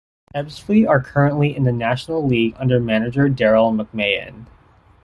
Ebbsfleet are currently in the National league under manager Daryl McMahon.